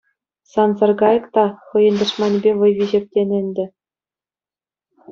Сан саркайӑк та хӑйӗн тӑшманӗпе вӑй виҫеп, тенӗ ӗнтӗ.